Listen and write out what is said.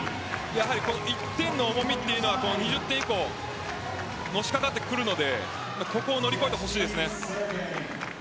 １点の重みというのは２０点以降のしかかってくるので乗り超えてほしいです。